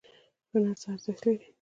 هنر څه ارزښت لري؟